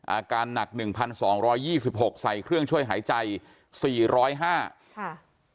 อาการหนัก๑๒๒๖ใส่เครื่องช่วยหายใจ๔๐๕ค่ะ